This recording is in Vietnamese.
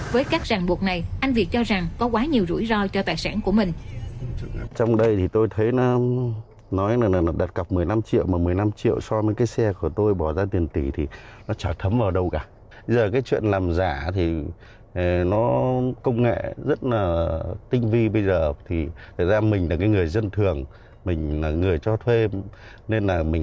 với các ràng buộc này anh việt cho rằng có quá nhiều rủi ro cho tài sản của mình